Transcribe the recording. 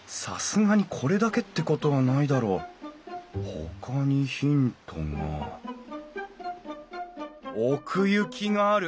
ほかにヒントが奥行きがある。